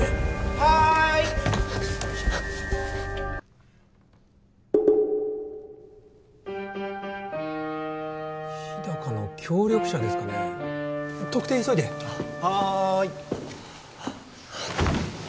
はい日高の協力者ですかね特定急いではい